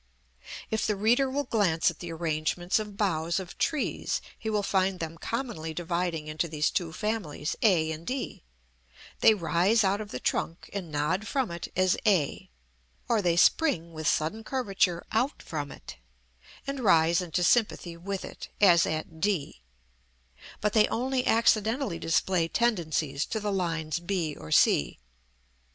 If the reader will glance at the arrangements of boughs of trees, he will find them commonly dividing into these two families, a and d: they rise out of the trunk and nod from it as a, or they spring with sudden curvature out from it, and rise into sympathy with it, as at d; but they only accidentally display tendencies to the lines b or c.